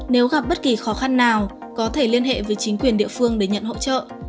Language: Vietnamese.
nếu gặp bất kỳ khó khăn nào có thể liên hệ với chính quyền địa phương để nhận hỗ trợ